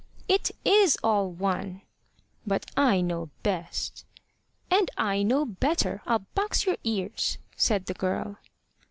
"It is all one." "But I know best." "And I know better. I'll box your ears," said the girl.